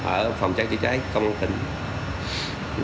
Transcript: ở phòng trái trữ trái công an tỉnh